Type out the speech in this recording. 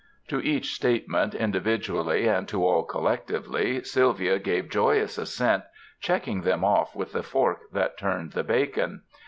To each statement individually and to all collec tively Sylvia gave joyous assent, checking them off with the fork that turned the bacon.